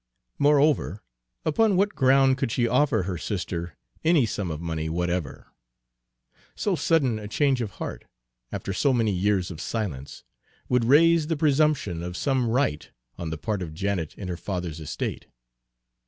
Moreover, upon what ground could she offer her sister any sum of money whatever? So sudden a change of heart, after so many years of silence, would raise the presumption of some right on the part of Janet in her father's estate.